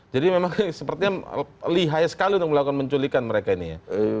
jadi memang sepertinya lihai sekali untuk melakukan penculikan mereka ini ya